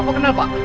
bapak kenal pak